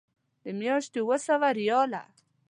د میاشتې اوه سوه ریاله.